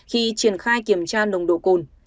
khi triển khai kiểm tra nồng độ cồn